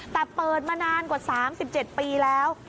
แต่เปิดมานานกว่า๓๗ปีแล้ว